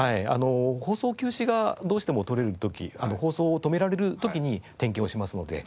放送休止がどうしてもとれる時放送を止められる時に点検をしますので。